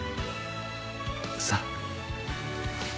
さあ。